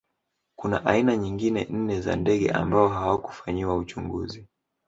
Kuna aina nyingine nne za ndege ambao hawakufanyiwa uchunguzi